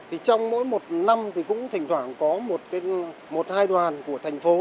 thì trong mỗi một năm thì cũng thỉnh thoảng có một hai đoàn của thành phố